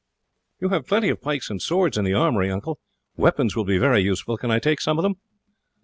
"You have plenty of pikes and swords in the armoury, uncle; weapons will be very useful; can I take some of them?"